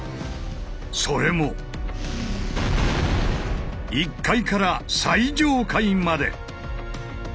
それも１階から最上階まで！